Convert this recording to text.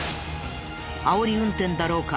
あおり運転だろうか？